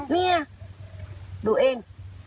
เมียดูเอง